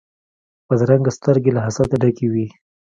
بدرنګه سترګې له حسده ډکې وي